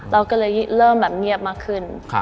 เราก็เลยเริ่มแบบเงียบมากขึ้น